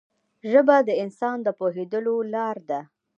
ژبه د انسان د پوهېدو لاره ده